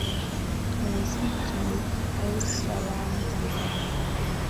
muziki es salam tanzania